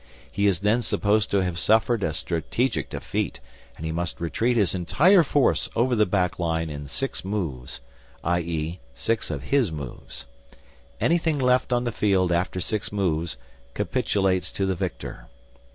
He is then supposed to have suffered a strategic defeat, and he must retreat his entire force over the back line in six moves, i.e. six of his moves. Anything left on the field after six moves capitulates to the victor.